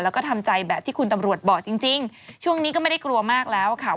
แล้วก็ทำใจแบบที่คุณตำรวจบอกจริงจริงช่วงนี้ก็ไม่ได้กลัวมากแล้วค่ะ